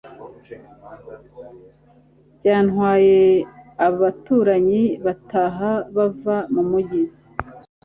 Byantwaye Abaturanyi bataha bava mu mujyi